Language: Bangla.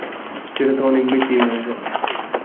সেটা তো অনেকবেশিই হয়ে যাবে।